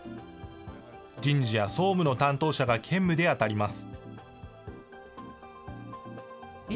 人事や総務の担当者が兼務で当たります。